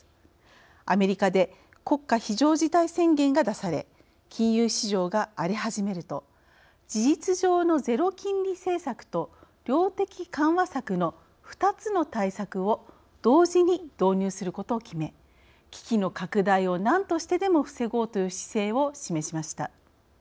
アメリカで国家非常事態宣言が出され金融市場が荒れ始めると事実上のゼロ金利政策と量的緩和策の２つの対策を同時に導入することを決め危機の拡大をなんとしてでも防ごうという姿勢を示しました。